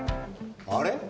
あれ？